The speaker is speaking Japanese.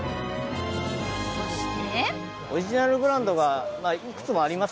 そして。